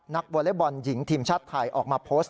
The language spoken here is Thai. วอเล็กบอลหญิงทีมชาติไทยออกมาโพสต์